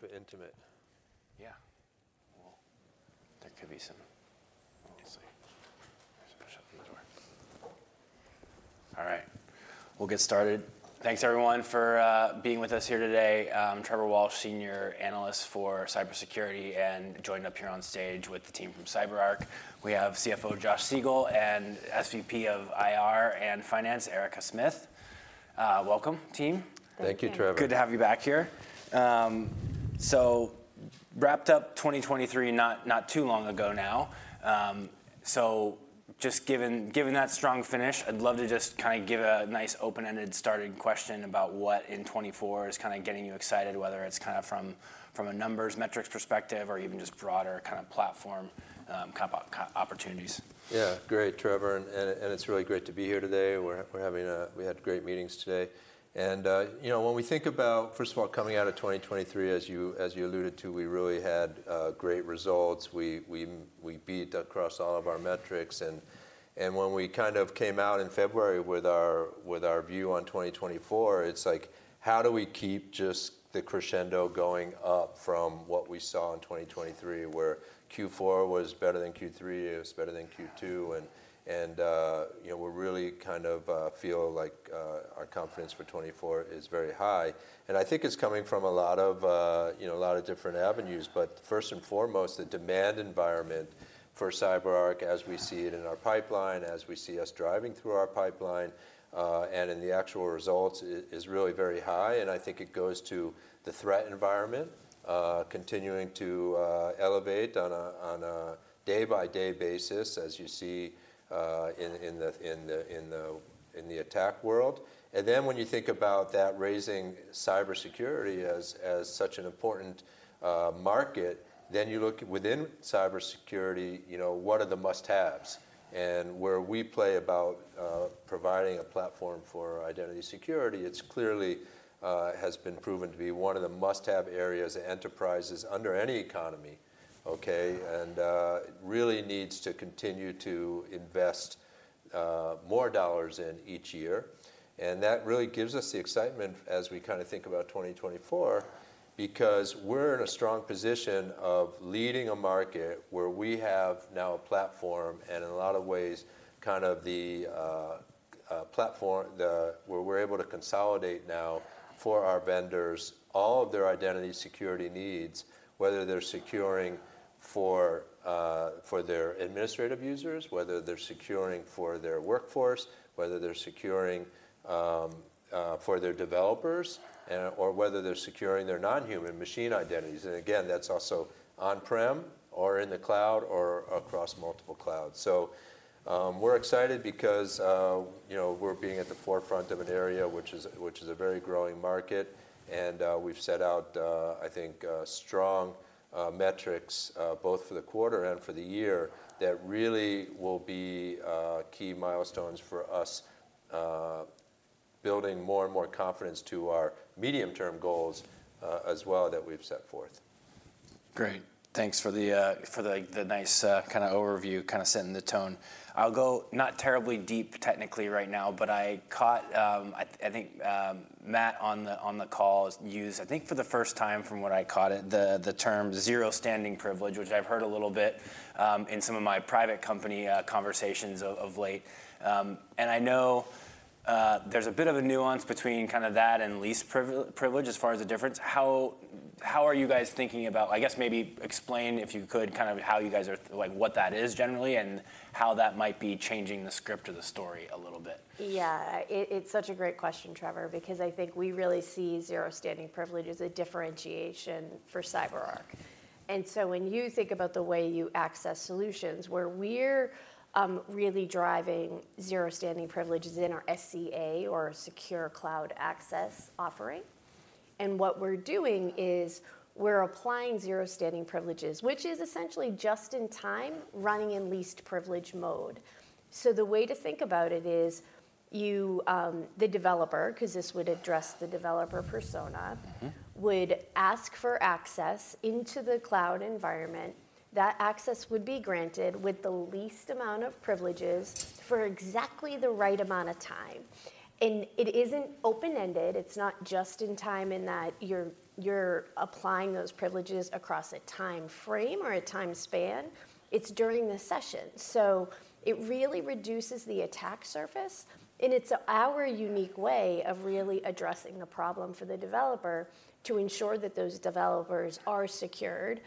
We'll keep it intimate. Yeah. Well, there could be some, obviously. Let's shut the door. All right, we'll get started. Thanks everyone for being with us here today. I'm Trevor Walsh, Senior Analyst for Cybersecurity, and joining up here on stage with the team from CyberArk, we have CFO Josh Siegel, and SVP of IR and Finance, Erica Smith. Welcome, team. Thank you, Trevor. Thank you. Good to have you back here. So wrapped up 2023, not too long ago now. So just giving that strong finish, I'd love to just kind of give a nice open-ended starting question about what in 2024 is kind of getting you excited, whether it's kind of from a numbers, metrics perspective or even just broader kind of platform kind of opportunities. Yeah. Great, Trevor, and it's really great to be here today. We're having a—we had great meetings today, and you know, when we think about, first of all, coming out of 2023, as you alluded to, we really had great results. We beat across all of our metrics, and when we kind of came out in February with our view on 2024, it's like, how do we keep just the crescendo going up from what we saw in 2023, where Q4 was better than Q3, it was better than Q2, and you know, we're really kind of feel like our confidence for 2024 is very high. And I think it's coming from a lot of you know, a lot of different avenues. But first and foremost, the demand environment for CyberArk, as we see it in our pipeline, as we see us driving through our pipeline, and in the actual results is really very high, and I think it goes to the threat environment, continuing to elevate on a day-by-day basis, as you see, in the attack world. And then when you think about that, raising cybersecurity as such an important market, then you look within cybersecurity, you know, what are the must-haves? And where we play about providing a platform for identity security, it's clearly has been proven to be one of the must-have areas of enterprises under any economy, okay? It really needs to continue to invest more dollars in each year, and that really gives us the excitement as we kinda think about 2024, because we're in a strong position of leading a market where we have now a platform, and in a lot of ways, kind of the platform where we're able to consolidate now for our vendors, all of their identity security needs, whether they're securing for their administrative users, whether they're securing for their workforce, whether they're securing for their developers, or whether they're securing their non-human machine identities. And again, that's also on-prem or in the cloud or across multiple clouds. So, we're excited because, you know, we're being at the forefront of an area which is a very growing market, and we've set out, I think, strong metrics both for the quarter and for the year that really will be key milestones for us, building more and more confidence to our medium-term goals, as well, that we've set forth. Great! Thanks for the for the nice kind of overview, kind of setting the tone. I'll go not terribly deep technically right now, but I caught... I think Matt on the call used, I think for the first time, from what I caught it, the term zero standing privilege, which I've heard a little bit in some of my private company conversations of late. And I know there's a bit of a nuance between kind of that and least privilege, as far as the difference. How are you guys thinking about-- I guess, maybe explain, if you could, kind of how you guys are... Like, what that is generally, and how that might be changing the script or the story a little bit. Yeah. It, it's such a great question, Trevor, because I think we really see zero standing privilege as a differentiation for CyberArk. And so when you think about the way you access solutions, where we're really driving zero standing privileges in our SCA or Secure Cloud Access offering, and what we're doing is we're applying zero standing privileges, which is essentially just in time, running in least privilege mode. So the way to think about it is, you, the developer, 'cause this would address the developer persona would ask for access into the cloud environment. That access would be granted with the least amount of privileges for exactly the right amount of time. It isn't open-ended, it's not just in time, in that you're applying those privileges across a time frame or a time span. It's during the session. So it really reduces the attack surface, and it's our unique way of really addressing the problem for the developer, to ensure that those developers are secured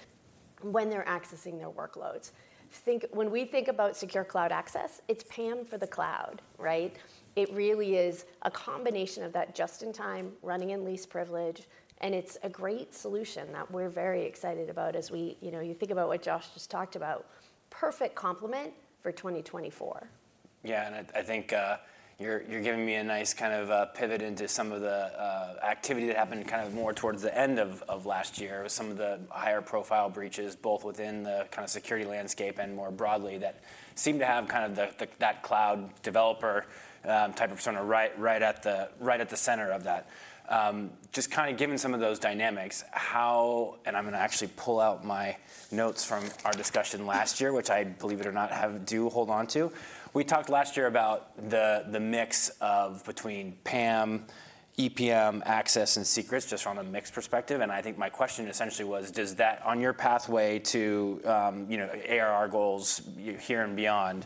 when they're accessing their workloads. Think, when we think about Secure Cloud Access, it's PAM for the cloud, right? It really is a combination of that, just-in-time, running in least privilege, and it's a great solution that we're very excited about as we, you know, you think about what Josh just talked about. Perfect complement for 2024. Yeah, and I think you're giving me a nice kind of pivot into some of the activity that happened kind of more towards the end of last year, with some of the higher-profile breaches, both within the kind of security landscape and more broadly, that seem to have kind of the that cloud developer type of persona right at the center of that. Just kind of given some of those dynamics, how, and I'm gonna actually pull out my notes from our discussion last year, which I believe it or not have. I do hold on to. We talked last year about the mix between PAM, EPM, access, and secrets, just from a mix perspective. I think my question essentially was, does that, on your pathway to, you know, ARR goals, year here and beyond,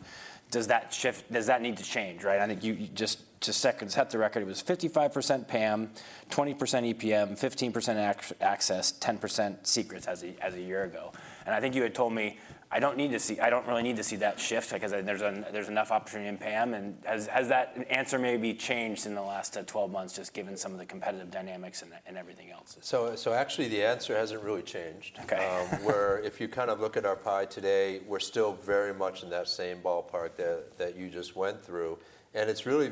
does that shift does that need to change, right? I think you, just to set the record, it was 55% PAM, 20% EPM, 15% access, 10% secrets as a, as a year ago. And I think you had told me, "I don't need to see I don't really need to see that shift because there's a, there's enough opportunity in PAM," and has that answer maybe changed in the last 12 months, just given some of the competitive dynamics and the, and everything else? So, actually, the answer hasn't really changed. Okay. Where if you kind of look at our pie today, we're still very much in that same ballpark that you just went through. And it's really,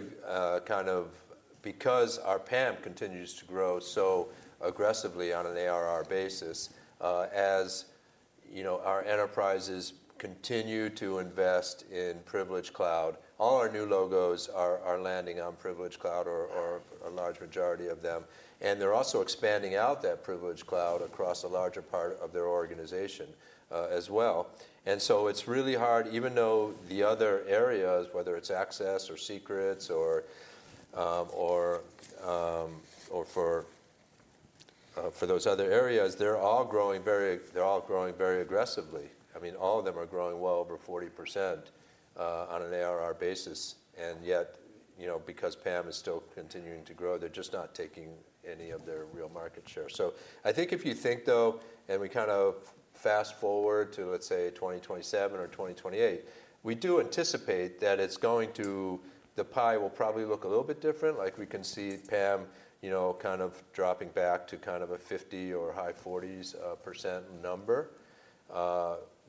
kind of because our PAM continues to grow so aggressively on an ARR basis. As you know, our enterprises continue to invest in Privileged Cloud, all our new logos are landing on Privileged Cloud or a large majority of them. And they're also expanding out that Privileged Cloud across a larger part of their organization, as well. And so it's really hard, even though the other areas, whether it's access or secrets or for those other areas, they're all growing very—they're all growing very aggressively. I mean, all of them are growing well over 40%, on an ARR basis, and yet, you know, because PAM is still continuing to grow, they're just not taking any of their real market share. So I think if you think, though, and we kind of fast-forward to, let's say, 2027 or 2028, we do anticipate that it's going to... the pie will probably look a little bit different. Like, we can see PAM, you know, kind of dropping back to kind of a 50 or high 40s % number,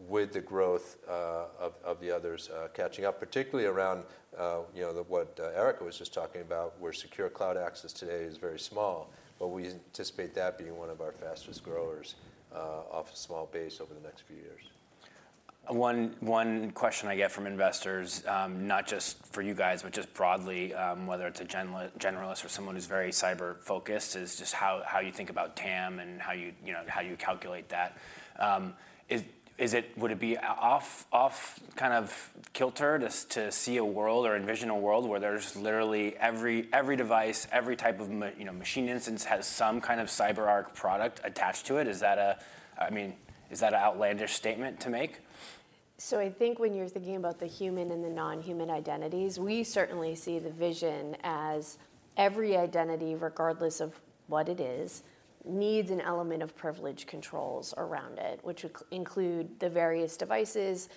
with the growth of the others catching up, particularly around, you know, the, what Erica was just talking about, where secure cloud access today is very small. But we anticipate that being one of our fastest growers, off a small base over the next few years. One question I get from investors, not just for you guys, but just broadly, whether it's a generalist or someone who's very cyber-focused, is just how you think about TAM and how you, you know, how you calculate that. Is it-- would it be off kind of kilter to see a world or envision a world where there's literally every device, every type of machine you know instance has some kind of CyberArk product attached to it? Is that a... I mean, is that an outlandish statement to make? So I think when you're thinking about the human and the non-human identities, we certainly see the vision as every identity, regardless of what it is, needs an element of privilege controls around it, which include the various devices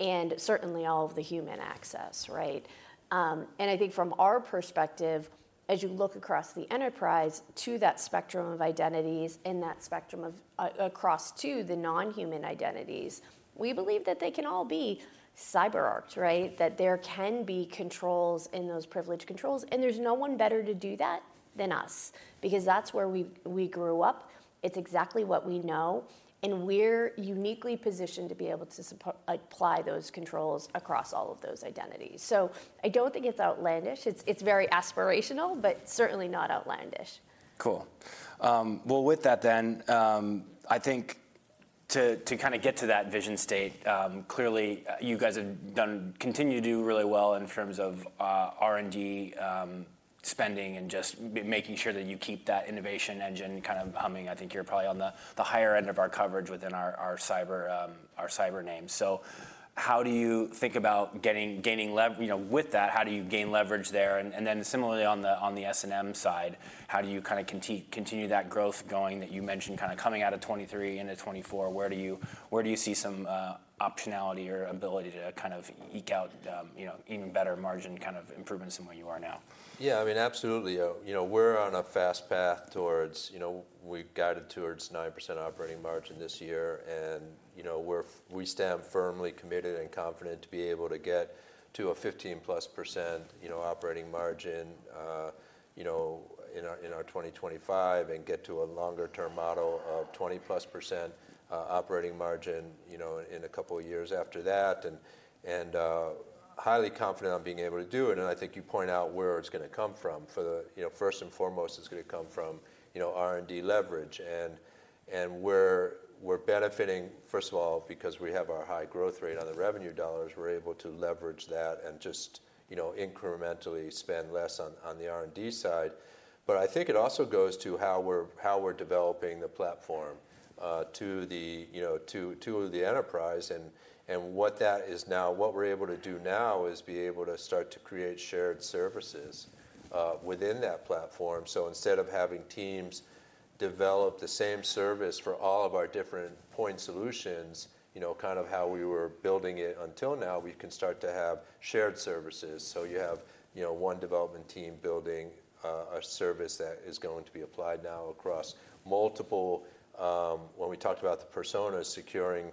and certainly all of the human access, right? And I think from our perspective, as you look across the enterprise to that spectrum of identities and that spectrum of across to the non-human identities, we believe that they can all be CyberArk, right? That there can be controls in those privilege controls, and there's no one better to do that than us, because that's where we, we grew up. It's exactly what we know, and we're uniquely positioned to be able to apply those controls across all of those identities. So I don't think it's outlandish. It's, it's very aspirational, but certainly not outlandish. Cool. Well, with that then, I think to kind of get to that vision state, clearly, you guys have done... continue to do really well in terms of, R&D, spending, and just making sure that you keep that innovation engine kind of humming. I think you're probably on the higher end of our coverage within our cyber names. So how do you think about getting, gaining leverage you know, with that, how do you gain leverage there? And then similarly on the S&M side, how do you kind of continue that growth going, that you mentioned kind of coming out of 2023 into 2024? Where do you see some optionality or ability to kind of eke out, you know, even better margin kind of improvements than where you are now? Yeah, I mean, absolutely. You know, we're on a fast path towards, you know, we've guided towards 9% operating margin this year, and, you know, we stand firmly committed and confident to be able to get to a 15%+, you know, operating margin, you know, in our, in our 2025 and get to a longer-term model of 20%+, operating margin, you know, in a couple of years after that. And highly confident on being able to do it, and I think you point out where it's gonna come from. For, you know, first and foremost, it's gonna come from, you know, R&D leverage. We're benefiting, first of all, because we have our high growth rate on the revenue dollars. We're able to leverage that and just, you know, incrementally spend less on the R&D side. But I think it also goes to how we're developing the platform to the enterprise, you know. And what that is now, what we're able to do now, is be able to start to create shared services within that platform. So instead of having teams develop the same service for all of our different point solutions, you know, kind of how we were building it until now, we can start to have shared services. So you have, you know, one development team building a service that is going to be applied now across multiple... When we talked about the personas, securing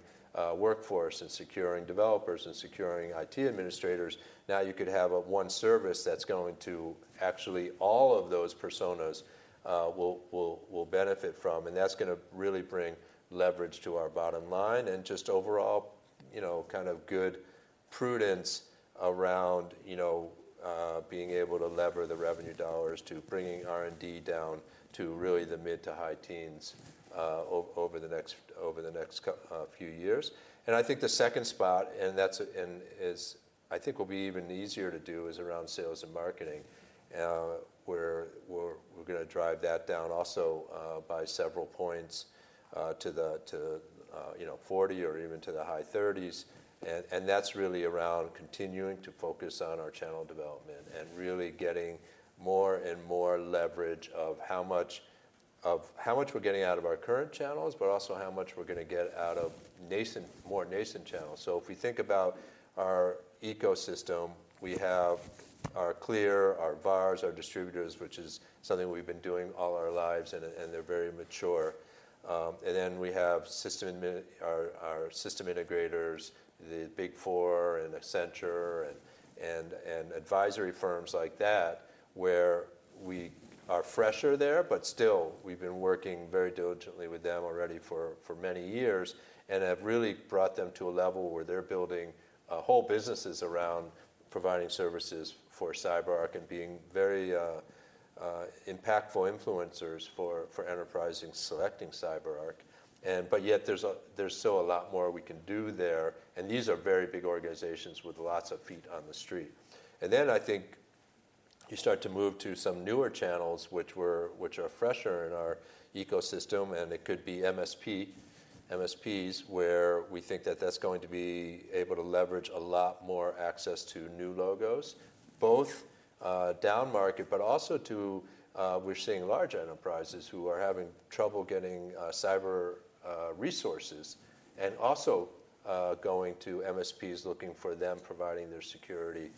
workforce and securing developers and securing IT administrators, now you could have one service that's going to actually all of those personas will benefit from. And that's gonna really bring leverage to our bottom line and just overall you know kind of good prudence around you know being able to lever the revenue dollars to bringing R&D down to really the mid- to high teens over the next few years. And I think the second spot, and that is, I think, will be even easier to do is around sales and marketing where we're gonna drive that down also by several points to you know 40 or even to the high 30s. That's really around continuing to focus on our channel development and really getting more and more leverage of how much we're getting out of our current channels, but also how much we're gonna get out of nascent, more nascent channels. So if we think about our ecosystem, we have our VARs, our distributors, which is something we've been doing all our lives, and they're very mature. And then we have our system integrators, the Big Four, and Accenture, and advisory firms like that, where we are fresher there, but still, we've been working very diligently with them already for many years, and have really brought them to a level where they're building whole businesses around providing services for CyberArk and being very impactful influencers for enterprises selecting CyberArk. Yet there's still a lot more we can do there, and these are very big organizations with lots of feet on the street. Then I think you start to move to some newer channels, which are fresher in our ecosystem, and it could be MSPs, where we think that that's going to be able to leverage a lot more access to new logos, both down market, but also to, we're seeing large enterprises who are having trouble getting cyber resources, and also going to MSPs, looking for them, providing their security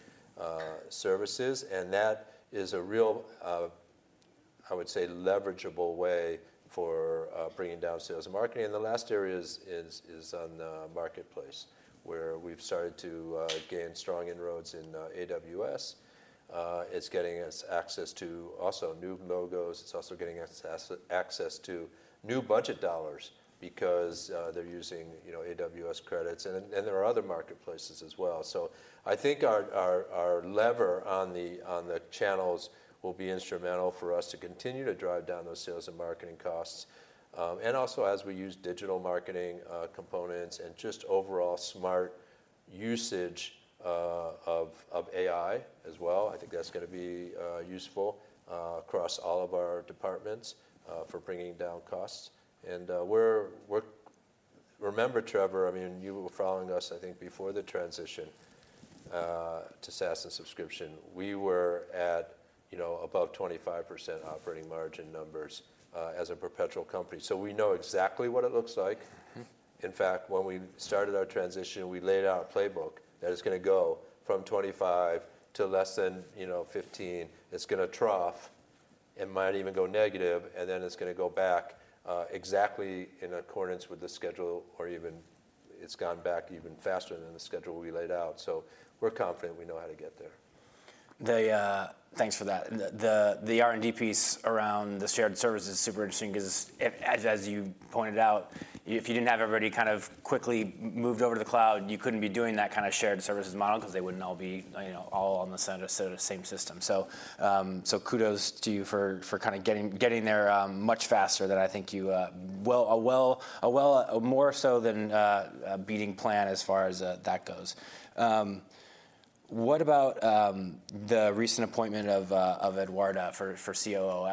services. That is a real, I would say, leverageable way for bringing down sales and marketing. The last area is on the marketplace, where we've started to gain strong inroads in AWS. It's getting us access to also new logos. It's also getting us access to new budget dollars because they're using, you know, AWS credits, and then, and there are other marketplaces as well. So I think our lever on the channels will be instrumental for us to continue to drive down those sales and marketing costs. And also as we use digital marketing components and just overall smart usage of AI as well, I think that's gonna be useful across all of our departments for bringing down costs. We're... Remember, Trevor, I mean, you were following us, I think, before the transition to SaaS and subscription. We were at, you know, above 25% operating margin numbers as a perpetual company. So we know exactly what it looks like. In fact, when we started our transition, we laid out a playbook that is gonna go from 25 to less than, you know, 15. It's gonna trough, it might even go negative, and then it's gonna go back exactly in accordance with the schedule, or even it's gone back even faster than the schedule we laid out. So we're confident we know how to get there. Thanks for that. The R&D piece around the shared service is super interesting because as you pointed out, if you didn't have everybody kind of quickly moved over to the cloud, you couldn't be doing that kind of shared services model because they wouldn't all be, you know, all on the same system. So, kudos to you for kind of getting there much faster than I think you. Well, well more so than a beating plan as far as that goes. What about the recent appointment of Eduarda for COO?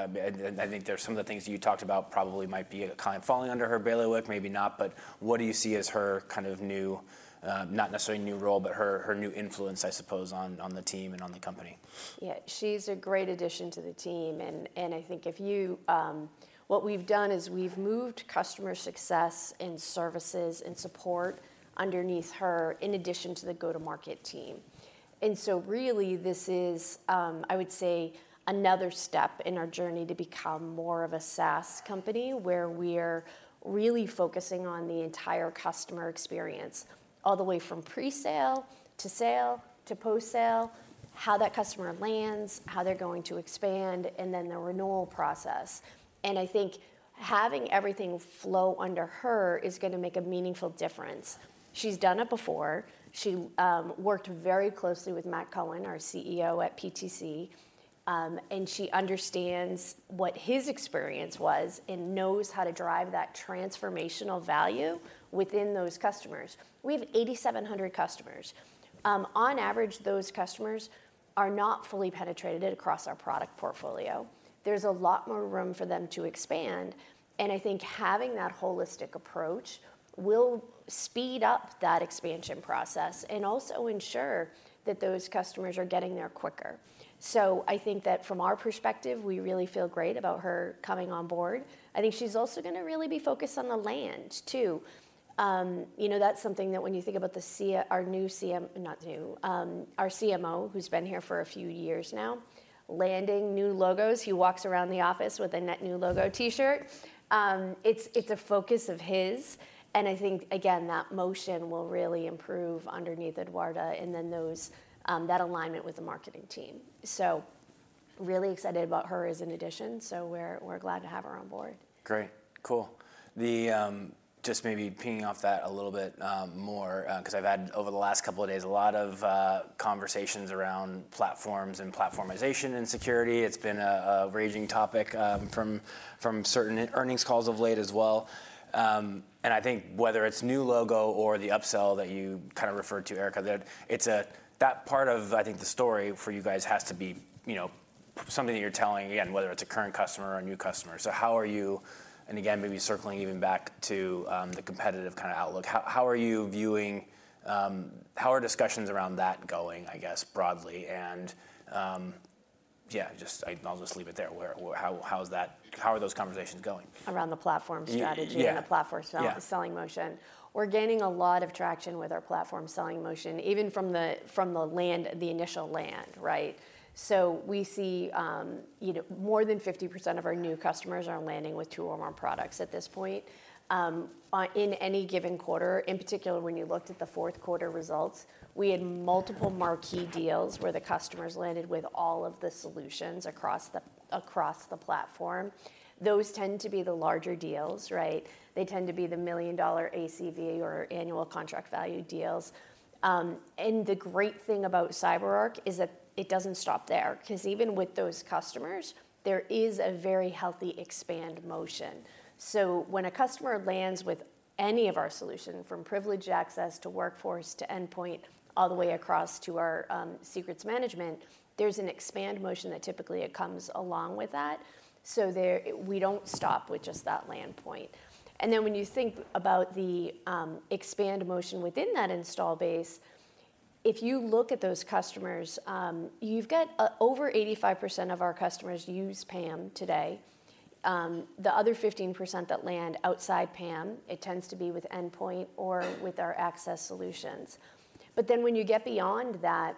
I think there are some of the things you talked about probably might be kind of falling under her bailiwick, maybe not, but what do you see as her kind of new, not necessarily new role, but her new influence, I suppose, on the team and on the company? Yeah. She's a great addition to the team, and, and I think... What we've done is we've moved customer success and services and support underneath her, in addition to the go-to-market team. And so really this is, I would say, another step in our journey to become more of a SaaS company, where we're really focusing on the entire customer experience, all the way from pre-sale, to sale, to post-sale, how that customer lands, how they're going to expand, and then the renewal process. And I think having everything flow under her is gonna make a meaningful difference. She's done it before. She worked very closely with Matt Cohen, our CEO at PTC, and she understands what his experience was and knows how to drive that transformational value within those customers. We have 8,700 customers. On average, those customers are not fully penetrated across our product portfolio. There's a lot more room for them to expand, and I think having that holistic approach will speed up that expansion process and also ensure that those customers are getting there quicker. So I think that from our perspective, we really feel great about her coming on board. I think she's also gonna really be focused on the land, too. You know, that's something that when you think about our new CM, not new, our CMO, who's been here for a few years now, landing new logos, he walks around the office with a net new logo T-shirt. It's a focus of his, and I think, again, that motion will really improve underneath Eduarda and then that alignment with the marketing team. So, really excited about her as an addition, so we're, we're glad to have her on board. Great. Cool. Just maybe pinging off that a little bit more 'cause I've had over the last couple of days a lot of conversations around platforms and platformization and security. It's been a raging topic from certain earnings calls of late as well. And I think whether it's new logo or the upsell that you kind of referred to, Erica, that it's that part of, I think, the story for you guys has to be, you know, something that you're telling, again, whether it's a current customer or a new customer. And again, maybe circling even back to the competitive kind of outlook, how are you viewing. How are discussions around that going, I guess, broadly? And yeah, just I'll just leave it there. How are those conversations going? Around the platform strategy- Yeah. - and the platform sell- Yeah... selling motion. We're gaining a lot of traction with our platform selling motion, even from the, from the land, the initial land, right? So we see, you know, more than 50% of our new customers are landing with two or more products at this point. In any given quarter, in particular, when you looked at Q4 results, we had multiple marquee deals where the customers landed with all of the solutions across the, across the platform. Those tend to be the larger deals, right? They tend to be the $1 million ACV or annual contract value deals. And the great thing about CyberArk is that it doesn't stop there, 'cause even with those customers, there is a very healthy expand motion. So when a customer lands with any of our solution, from privileged access to workforce to endpoint, all the way across to our secrets management, there's an expand motion that typically it comes along with that. So there, we don't stop with just that land point. And then when you think about the expand motion within that install base, if you look at those customers, you've got over 85% of our customers use PAM today. The other 15% that land outside PAM, it tends to be with endpoint or with our access solutions. But then when you get beyond that,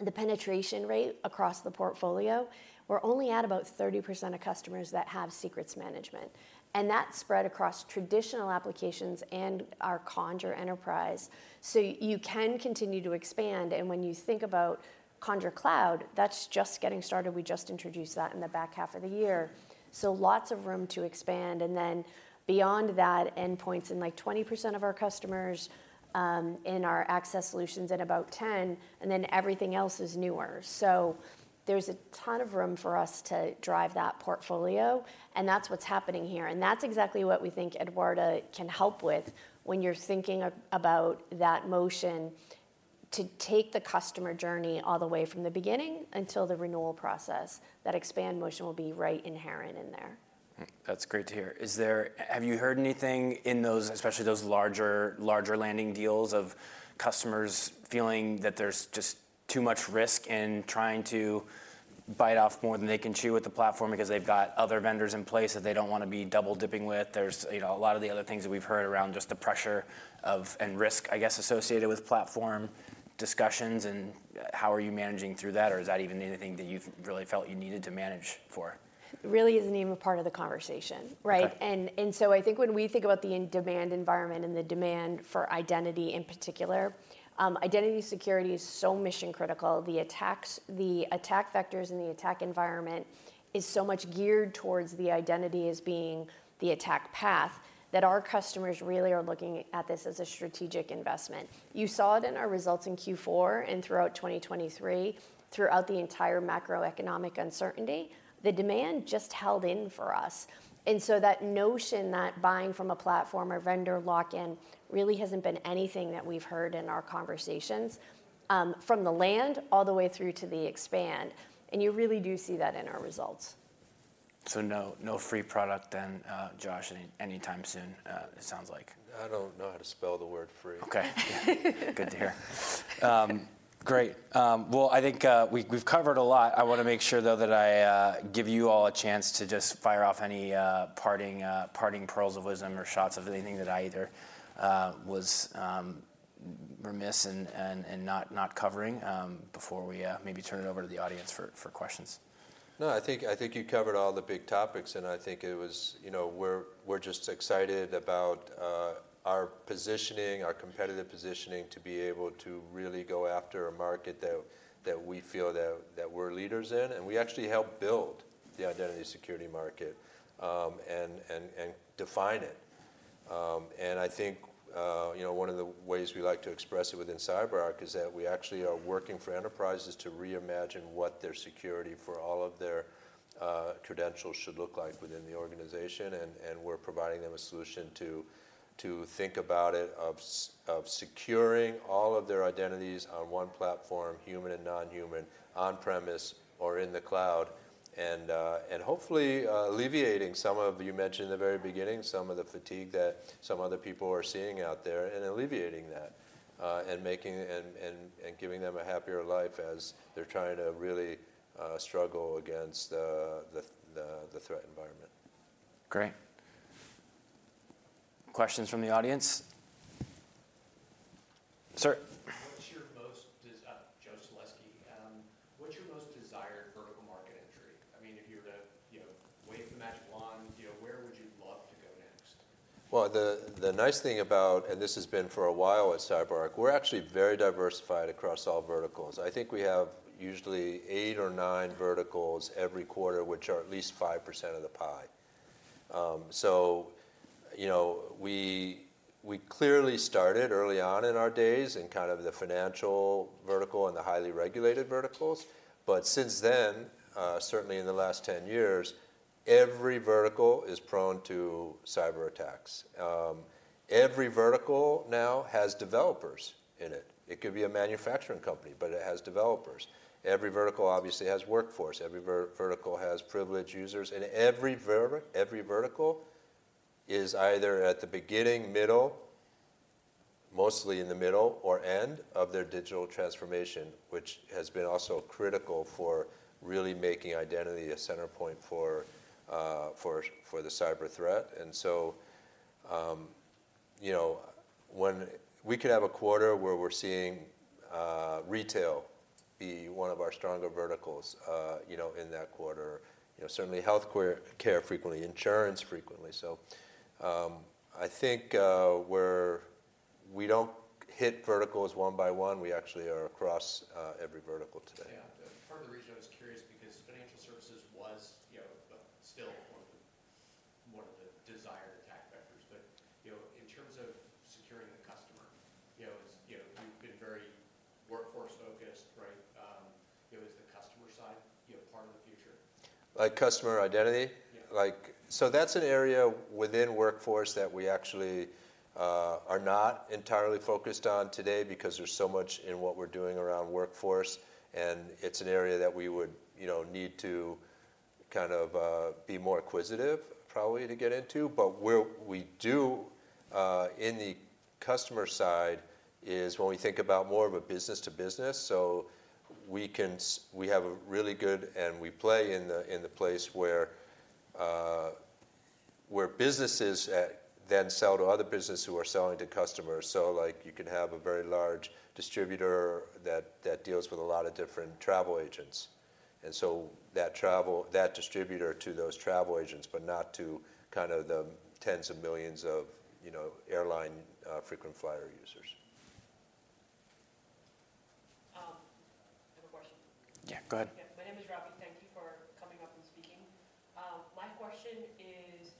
the penetration rate across the portfolio, we're only at about 30% of customers that have secrets management, and that's spread across traditional applications and our Conjur Enterprise. So you can continue to expand, and when you think about Conjur Cloud, that's just getting started. We just introduced that in the back half of the year. So lots of room to expand, and then beyond that, endpoints in, like, 20% of our customers, in our access solutions at about 10%, and then everything else is newer. So there's a ton of room for us to drive that portfolio, and that's what's happening here, and that's exactly what we think Eduarda can help with when you're thinking about that motion to take the customer journey all the way from the beginning until the renewal process. That expand motion will be right inherent in there. That's great to hear. Is there... have you heard anything in those, especially those larger, larger landing deals, of customers feeling that there's just too much risk in trying to bite off more than they can chew with the platform because they've got other vendors in place that they don't want to be double-dipping with? There's, you know, a lot of the other things that we've heard around, just the pressure of- and risk, I guess, associated with platform discussions, and how are you managing through that, or is that even anything that you've really felt you needed to manage for? It really isn't even a part of the conversation, right? Okay. I think when we think about the in-demand environment and the demand for identity in particular, identity security is so mission-critical. The attacks, the attack vectors and the attack environment is so much geared towards the identity as being the attack path, that our customers really are looking at this as a strategic investment. You saw it in our results in Q4 and throughout 2023, throughout the entire macroeconomic uncertainty. The demand just held in for us. And so that notion that buying from a platform or vendor lock-in really hasn't been anything that we've heard in our conversations, from the land all the way through to the expand, and you really do see that in our results. No, no free product then, Josh, anytime soon, it sounds like. I don't know how to spell the word free. Okay. Good to hear. Great. Well, I think we've covered a lot. I want to make sure, though, that I give you all a chance to just fire off any parting pearls of wisdom or shots of anything that I either was remiss and not covering, before we maybe turn it over to the audience for questions. No, I think, I think you covered all the big topics, and I think it was, you know. We're just excited about our positioning, our competitive positioning, to be able to really go after a market that we feel that we're leaders in, and we actually helped build the identity security market, and define it. And I think, you know, one of the ways we like to express it within CyberArk is that we actually are working for enterprises to reimagine what their security for all of their credentials should look like within the organization. And we're providing them a solution to think about it, of securing all of their identities on one platform, human and non-human, on-premises or in the cloud. Hopefully, alleviating some of you mentioned the very beginning some of the fatigue that some other people are seeing out there, and alleviating that, and making and giving them a happier life as they're trying to really struggle against the threat environment. Great. Questions from the audience? Sir. Joe Salesky. What's your most desired vertical market? I mean, if you were to, you know, wave the magic wand, you know, where would you love to go next? Well, the nice thing about, and this has been for a while at CyberArk, we're actually very diversified across all verticals. I think we have usually eight or nine verticals every quarter, which are at least 5% of the pie. So, you know, we clearly started early on in our days in kind of the financial vertical and the highly regulated verticals, but since then, certainly in the last 10 years, every vertical is prone to cyber attacks. Every vertical now has developers in it. It could be a manufacturing company, but it has developers. Every vertical obviously has workforce, every vertical has privileged users, and every vertical is either at the beginning, middle, mostly in the middle or end of their digital transformation, which has been also critical for really making identity a center point for the cyber threat. So, you know, when we could have a quarter where we're seeing retail be one of our stronger verticals, you know, in that quarter. You know, certainly healthcare frequently, insurance frequently. So, I think we're we don't hit verticals one by one, we actually are across every vertical today. Yeah. Part of the reason I was curious, because financial services was, you know, still one of the, one of the desired attack vectors. But, you know, in terms of securing the customer, you know, it's, you know, you've been very workforce focused, right? You know, is the customer side, you know, part of the future? Like customer identity? Yeah. Like, so that's an area within workforce that we actually are not entirely focused on today because there's so much in what we're doing around workforce, and it's an area that we would, you know, need to kind of be more acquisitive, probably to get into. But where we do in the customer side is when we think about more of a business to business, so we have a really good, and we play in the place where businesses then sell to other business who are selling to customers. So, like, you can have a very large distributor that deals with a lot of different travel agents, and so that distributor to those travel agents, but not to kind of the tens of millions of, you know, airline frequent flyer users. I have a question. Yeah, go ahead. Yeah. My name is Robbie. Thank you for coming up and speaking. My question is,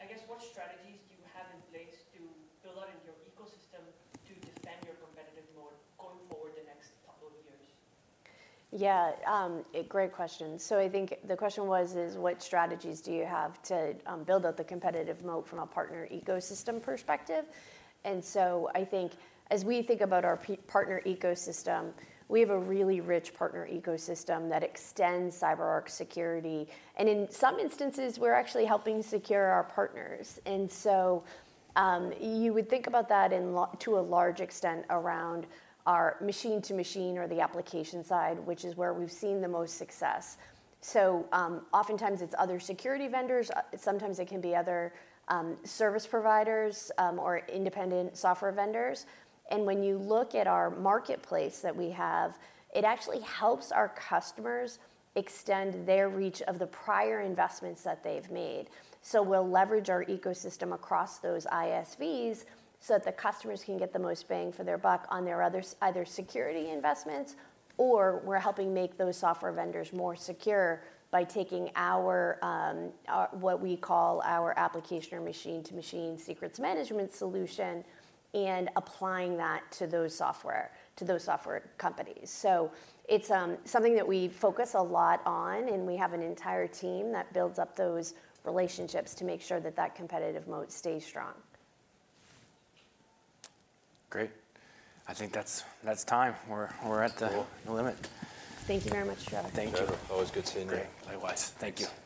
I guess, what strategies do you have in place to build out in your ecosystem to defend your competitive mode going forward the next couple of years? Yeah, a great question. So I think the question was, is, what strategies do you have to build out the competitive moat from a partner ecosystem perspective? And so I think as we think about our partner ecosystem, we have a really rich partner ecosystem that extends CyberArk security, and in some instances, we're actually helping secure our partners. And so you would think about that in to a large extent around our machine to machine or the application side, which is where we've seen the most success. So oftentimes, it's other security vendors, sometimes it can be other service providers or independent software vendors. And when you look at our marketplace that we have, it actually helps our customers extend their reach of the prior investments that they've made. So we'll leverage our ecosystem across those ISVs, so that the customers can get the most bang for their buck on their other, either security investments, or we're helping make those software vendors more secure by taking our, our, what we call our application or machine to machine secrets management solution, and applying that to those software, to those software companies. So it's, something that we focus a lot on, and we have an entire team that builds up those relationships to make sure that that competitive moat stays strong. Great. I think that's time. We're at the limit. Thank you very much, Trevor. Thank you. Trevor, always good seeing you. Great. Likewise. Thank you. Thanks so much.